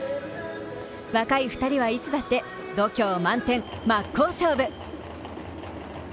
若い２人はいつだって度胸満点真っ向勝負。